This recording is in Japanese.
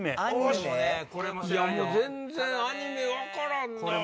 もう全然アニメ分からんなぁ。